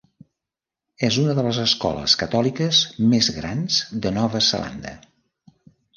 És una de les escoles catòliques més grans de Nova Zelanda.